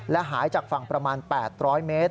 และหายจากฝั่งประมาณ๘๐๐เมตร